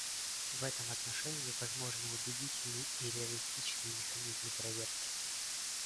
В этом отношении возможны убедительные и реалистичные механизмы проверки.